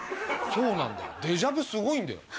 そうなんだよデジャビュすごいんだよ。